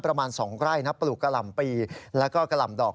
ประมาณ๒ไร่ปลูกกะล่ำปีและกะล่ำดอก